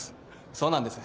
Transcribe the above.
そうなんです。